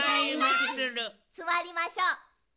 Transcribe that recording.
すわりましょう。